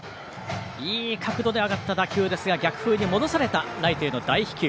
いい角度で上がった打球でしたが逆風に戻されたライトへの大飛球。